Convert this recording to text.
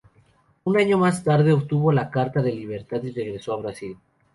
Un año más tarde obtuvo la carta de libertad y regresó a Brasil.